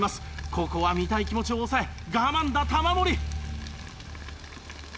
ここは見たい気持ちを抑え我慢だ玉森！